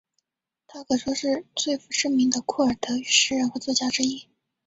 她可说是最负盛名的库尔德语诗人和作家之一。